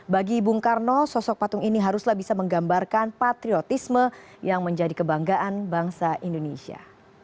bagi bung karno sosok patung ini haruslah bisa menggambarkan patriotisme yang menjadi kebanggaan bangsa indonesia